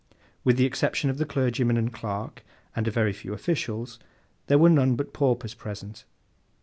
With the exception of the clergyman and clerk, and a very few officials, there were none but paupers present.